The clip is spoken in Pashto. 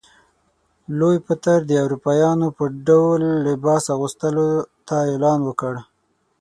لوی پطر د اروپایانو په ډول لباس اغوستلو ته اعلان وکړ.